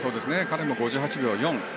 彼も５８秒４。